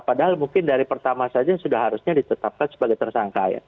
padahal mungkin dari pertama saja sudah harusnya ditutup tutupi sebagai tersangka